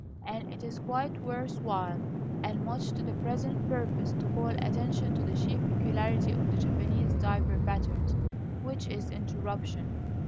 And it is quite worth while, and much to the present purpose, to call attention to the chief peculiarity of the Japanese diaper patterns, which is interruption.